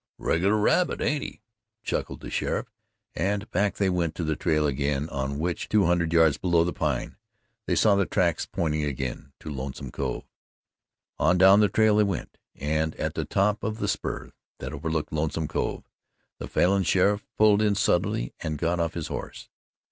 "Regular rabbit, ain't he?" chuckled the sheriff, and back they went to the trail again on which two hundred yards below the Pine they saw the tracks pointing again to Lonesome Cove. On down the trail they went, and at the top of the spur that overlooked Lonesome Cove, the Falin sheriff pulled in suddenly and got off his horse.